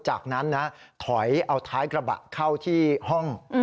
จากนั้นนะถอยเอาท้ายกระบะเข้าที่ห้อง